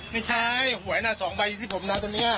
ไม่ใช่หวยนะ๒ใบที่ผมขาดตัวเนี่ย